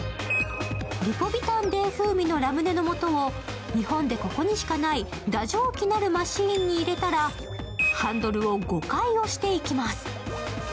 リポビタンＤ風味のラムネのもとを日本でここにしかない打錠機なるマシンに入れたら、ハンドルを５回押していきます。